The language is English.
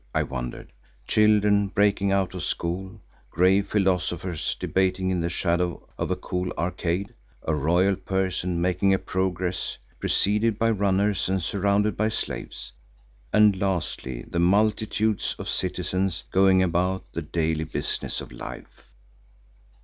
I wondered); children breaking out of school; grave philosophers debating in the shadow of a cool arcade; a royal person making a progress preceded by runners and surrounded by slaves, and lastly the multitudes of citizens going about the daily business of life.